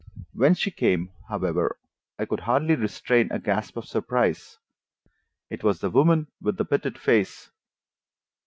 When she came, however, I could hardly restrain a gasp of surprise. It was the woman with the pitted face.